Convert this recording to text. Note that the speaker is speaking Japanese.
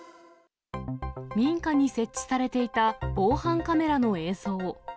民家に設置されていた防犯カメラの映像。